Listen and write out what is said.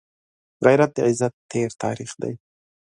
غیرت د عزت تېر تاریخ دی